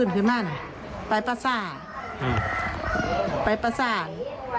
เห็นอย่างไรหรอ